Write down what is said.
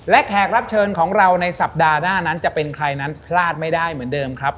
และแขกรับเชิญของเราในสัปดาห์หน้านั้นจะเป็นใครนั้นพลาดไม่ได้เหมือนเดิมครับ